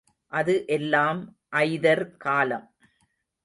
அது எல்லாம் ஐதர் காலம்.